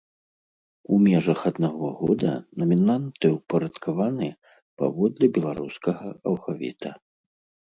У межах аднаго года намінанты ўпарадкаваны паводле беларускага алфавіта.